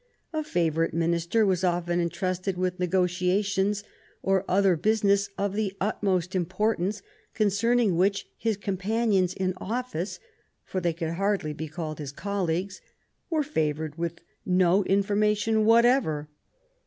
A favorite minister was often intrusted with negotiations or other business of the utmost importance concerning which his companions in office, for they could hardly be called his colleagues, were favored with no information whatever.